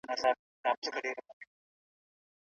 حق لرونکي ته بايد خپل حق ورسېږي.